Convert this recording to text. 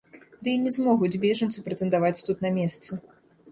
Ды і не змогуць бежанцы прэтэндаваць тут на месцы.